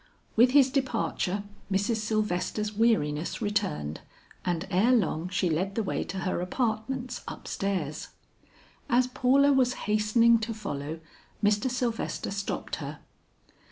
With his departure Mrs. Sylvester's weariness returned, and ere long she led the way to her apartments up stairs. As Paula was hastening to follow Mr. Sylvester stopped her.